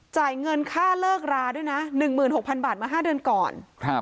จ่ายเงินค่าเลิกราด้วยนะ๑๖๐๐๐บาทมา๕เดือนก่อน